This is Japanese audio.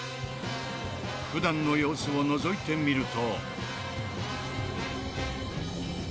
普段の様子をのぞいてみると。